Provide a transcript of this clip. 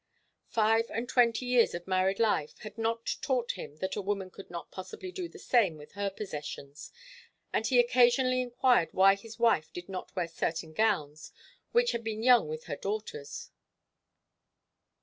Five and twenty years of married life had not taught him that a woman could not possibly do the same with her possessions, and he occasionally enquired why his wife did not wear certain gowns which had been young with her daughters.